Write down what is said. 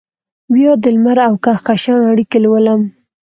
بیا دلمر اوکهکشان اړیکې لولم